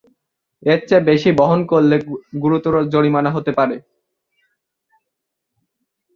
এর চেয়ে বেশি বহন করলে গুরুতর জরিমানা হতে পারে।